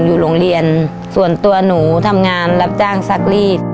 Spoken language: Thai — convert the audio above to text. อยู่โรงเรียนส่วนตัวหนูทำงานรับจ้างซักรีด